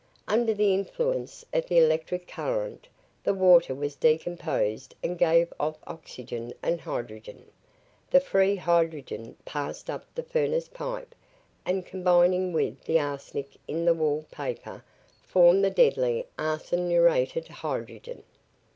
Under the influence of the electric current the water was decomposed and gave off oxygen and hydrogen. The free hydrogen passed up the furnace pipe and combining with the arsenic in the wall paper formed the deadly arseniuretted hydrogen."